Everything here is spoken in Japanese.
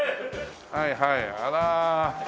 はいはいあら。